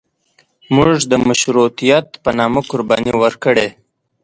موږ د مشروطیت په نامه قرباني ورکړې.